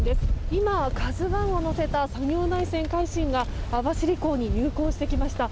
今、「ＫＡＺＵ１」を載せた作業台船「海進」が網走港に入港してきました。